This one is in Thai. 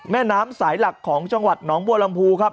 แม่น้ำสายหลักของจังหวัดหนองบัวลำพูครับ